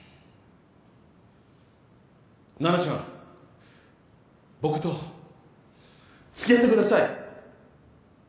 ナナちゃん僕と付き合ってください。